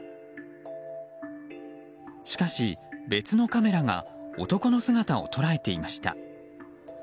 しかし、別のカメラが男の姿を捉えていました。